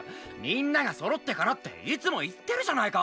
皆が揃ってからっていつも言ってるじゃないか！